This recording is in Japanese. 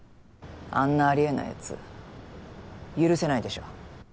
あんなありえないやつ許せないでしょ。